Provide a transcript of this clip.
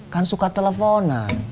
kan suka teleponan